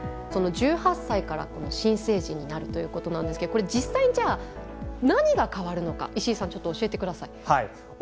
１８歳から新成人になるということなんですけどこれ実際にじゃあ何が変わるのか石井さんちょっと教えてください。